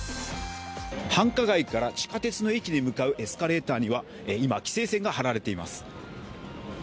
繁華街から地下鉄の駅に向かうエスカレーターには、今、規制線が張られています。